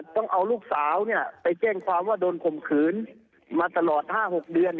ต้องเอาลูกสาวไปแจ้งความว่าโดนข่มขืนมาตลอด๕๖เดือน